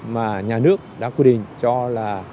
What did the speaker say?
mà nhà nước đã quy định cho là